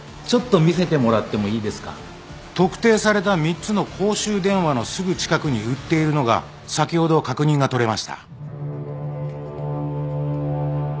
ちょっと見せてもらってもいいですか？特定された３つの公衆電話のすぐ近くに売っているのが先ほど確認が取れました。